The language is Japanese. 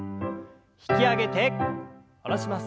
引き上げて下ろします。